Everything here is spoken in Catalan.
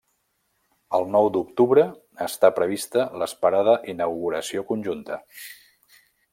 El nou d'octubre està prevista l'esperada inauguració conjunta.